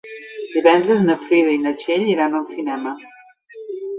Divendres na Frida i na Txell iran al cinema.